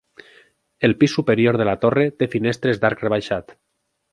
El pis superior de la torre té finestres d'arc rebaixat.